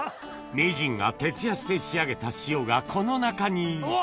名人が徹夜して仕上げた塩がこの中にうわ！